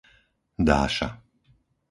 Dáša